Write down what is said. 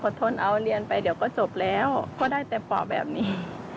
ทนเอาเรียนไปเดี๋ยวก็จบแล้วก็ได้แต่ปอบแบบนี้